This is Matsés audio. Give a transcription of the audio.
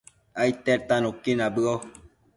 aidtedta nuqui nabëo